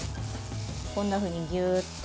こんなふうにギューッと。